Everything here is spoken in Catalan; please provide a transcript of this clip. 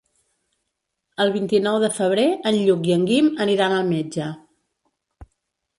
El vint-i-nou de febrer en Lluc i en Guim aniran al metge.